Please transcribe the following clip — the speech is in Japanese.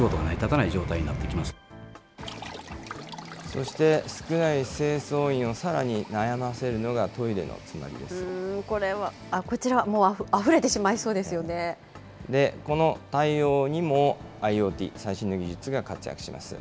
そして少ない清掃員をさらに悩ませるのが、こちらは、あふれてしまいそこの対応にもＩｏＴ、最新の技術が活躍します。